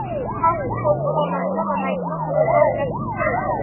ხალხის შეუპოვარმა ბრძოლამ აიძულა საქართველოს გასცლოდა.